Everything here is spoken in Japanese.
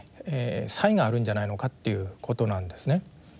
差異があるんじゃないのかっていうことなんですね。